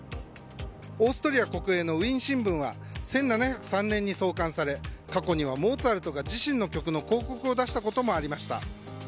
オーストリア国営のウィーン新聞は１７０３年に創刊され過去には、モーツァルトが自身の曲の広告を出したこともありました。